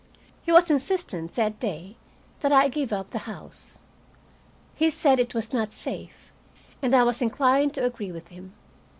He was insistent, that day, that I give up the house. He said it was not safe, and I was inclined to agree with him.